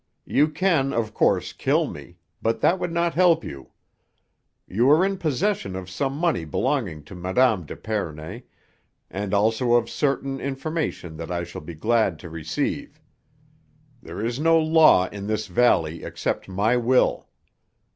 You can, of course, kill me; but that would not help you. You are in possession of some money belonging to Mme. d'Epernay, and also of certain information that I shall be glad to receive. There is no law in this valley except my will.